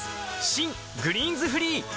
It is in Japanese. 新「グリーンズフリー」